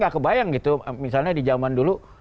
gak kebayang gitu misalnya di zaman dulu